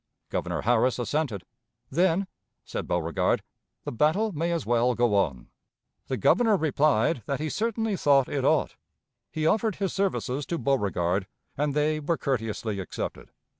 Governor Harris assented. 'Then,' said Beauregard, 'The battle may as well go on.' The Governor replied that he certainly thought it ought. He offered his services to Beauregard, and they were courteously accepted.